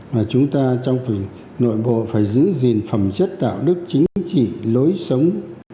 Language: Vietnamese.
và chúng ta trong phần nội bộ phải giữ gìn phẩm chất đạo đức chính trị lối sống